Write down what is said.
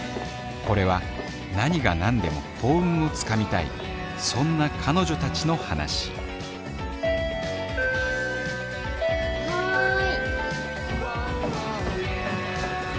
これは何が何でも幸運を掴みたいそんな彼女たちの話はい。